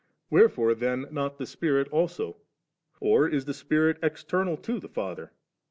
Wherefore then not the Spirit also ? or is the Spirit external to the Father